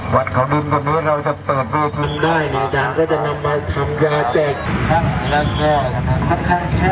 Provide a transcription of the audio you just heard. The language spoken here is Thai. วันเข้าหนึ่งตอนนี้เราจะเปิดเบอร์พื้นได้ในด้านก็จะนำมาทำยาเจ็ด